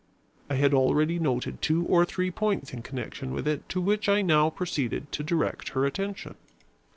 I had already noted two or three points in connection with it, to which I now proceeded to direct her attention.